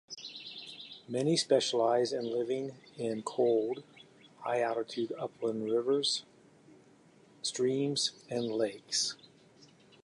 Many specialise in living in cold, high-altitude upland rivers, streams, and lakes.